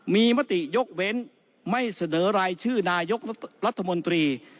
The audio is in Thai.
มีมติยกเว้นไม่เสนอรายชื่อนายกรัฐมนตรี